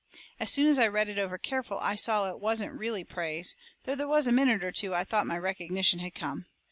As soon as I read it over careful I saw it wasn't really praise, though there was a minute or two I thought my recognition had come.